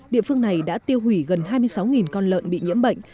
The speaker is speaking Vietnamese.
địa phương này đã tiêu hủy gần hai mươi sáu con lợn bị nhiễm bệnh